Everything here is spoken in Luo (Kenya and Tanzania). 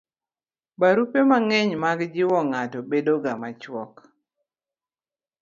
barupe mang'eny mag jiwo ng'ato bedo ga machuok